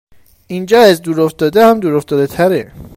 اینجااز دور افتاده هم دور افتاده تره